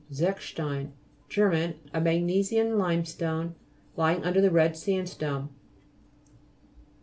ZECHSTEIIT Ger. A magnesian limestone, lying under the red standstone.